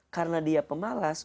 karena dia pemalas